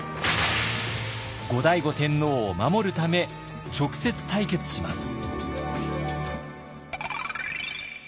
後醍醐天皇を守るため直接対決します。